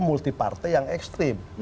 multi partai yang ekstrim